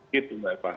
gitu mbak eva